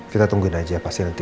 kita tungguin aja pasti nanti